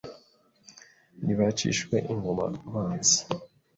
Nibacishwe ingoma abanzi